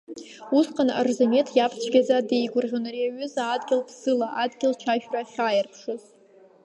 Усҟан Арзамеҭ иаб цәгьаӡа деигәырӷьон, ари аҩыза адгьыл ԥсыла, адгьыл чашәра ахьааирԥшыз.